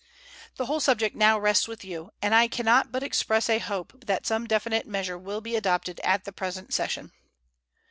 The whole subject now rests with you, and I can not but express a hope that some definite measure will be adopted at the present session.